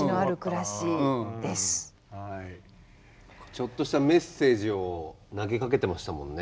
ちょっとしたメッセージを投げかけてましたもんね。